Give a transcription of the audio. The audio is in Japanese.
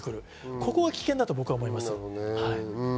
ここが危険だと僕は思います。